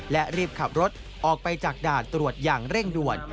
และรีบขับรถออกไปจากด่านตรวจอย่างเร่งด่วน